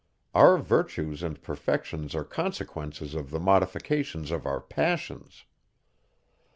Our virtues and perfections are consequences of the modifications of our passions.